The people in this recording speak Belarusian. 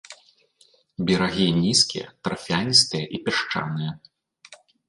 Берагі нізкія, тарфяністыя і пясчаныя.